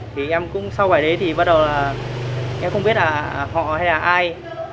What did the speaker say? thì em cũng sau bài đấy thì bắt đầu là em không biết là họ hay là ai